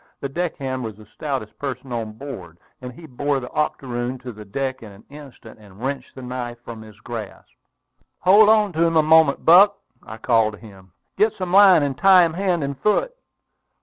The deckhand was the stoutest person on board, and he bore the octoroon to the deck in an instant, and wrenched the knife from his grasp. "Hold on to him a moment, Buck!" I called to him. "Get some line, and tie him hand and foot!"